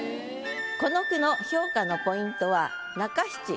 この句の評価のポイントは中七